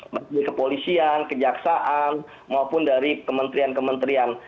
maksudnya kepolisian kejaksaan maupun dari kementrian kementrian